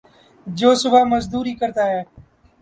جو صبح مزدوری کرتا ہے